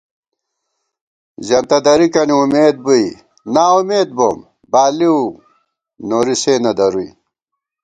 زېنتہ درِکَنی اُمید بُوئی، نا امید بوم، بالِؤ نوری سےنہ دَرُوئی